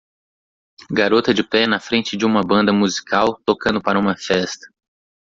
Garota de pé na frente de uma banda musical tocando para uma festa